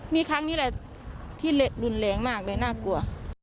มีครั้งนี้แหละที่รุนแรงมากเลยน่ากลัว